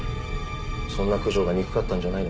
そんな九条が憎かったんじゃないのか？